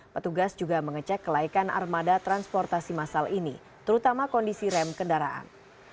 petugas juga mengecek kelaikan armada transportasi masal ini terutama kondisi rem kendaraan